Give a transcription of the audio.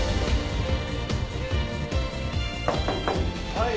はい。